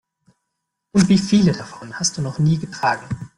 Und wie viele davon hast du noch nie getragen?